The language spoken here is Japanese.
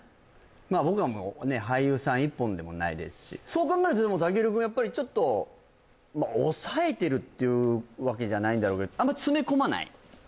まあ僕は俳優さん１本でもないですしそう考えるとでも健君やっぱりちょっと抑えてるっていうわけじゃないんだろうけどあんま詰め込まない？